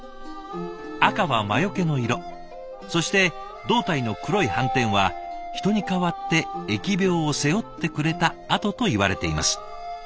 赤は魔よけの色そして胴体の黒い斑点は人に代わって疫病を背負ってくれた痕といわれています。